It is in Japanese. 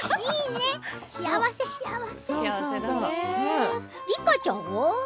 幸せ、幸せ梨花ちゃんは？